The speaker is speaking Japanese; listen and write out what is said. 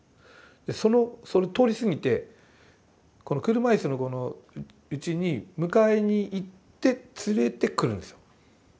そのそれ通り過ぎてこの車椅子の子のうちに迎えに行って連れてくるんですよ。